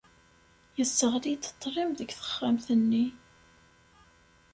Yesseɣli-d ṭṭlam deg texxamt-nni.